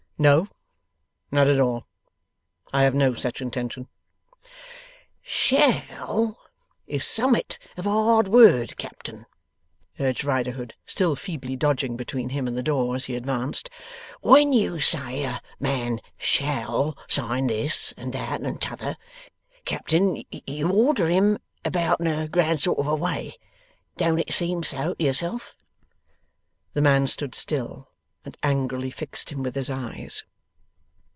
'No, not at all. I have no such intention.' '"Shall" is summ'at of a hard word, Captain,' urged Riderhood, still feebly dodging between him and the door, as he advanced. 'When you say a man "shall" sign this and that and t'other, Captain, you order him about in a grand sort of a way. Don't it seem so to yourself?' The man stood still, and angrily fixed him with his eyes.